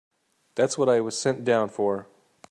That's what I was sent down for.